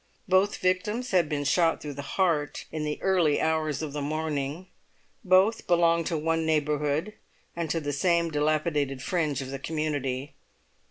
Both victims had been shot through the heart in the early hours of the morning; both belonged to one neighbourhood, and to the same dilapidated fringe of the community.